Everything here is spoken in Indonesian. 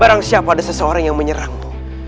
barang siapa ada seseorang yang menyerangmu